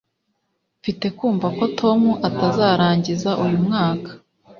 mfite kumva ko tom atazarangiza uyu mwaka